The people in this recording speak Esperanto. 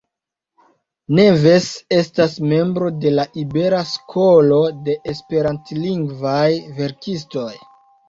Neves estas membro de la Ibera Skolo de Esperantlingvaj verkistoj.